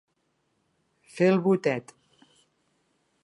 Fer el botet.